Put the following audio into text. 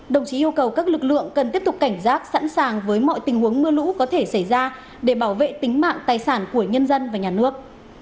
đồng chí yêu cầu các lực lượng cần tiếp tục cảnh giác sẵn sàng với mọi tình huống mưa lũ có thể xảy ra để bảo vệ tính mạng tài sản của nhân dân và nhà nước